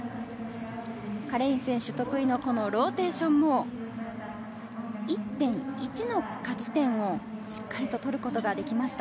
カレイン選手得意のローテーションも、１．１の価値点をしっかり取ることができました。